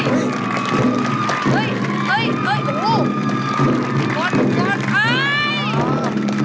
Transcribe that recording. ครอสครอส